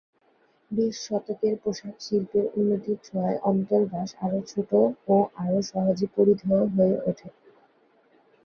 বিশ শতকের পোশাক শিল্পের উন্নতির ছোঁয়ায় অন্তর্বাস আরো ছোট ও আরো সহজে পরিধেয় হয়ে ওঠে।